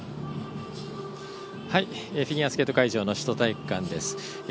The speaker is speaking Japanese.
フィギュアスケート会場の首都体育館です。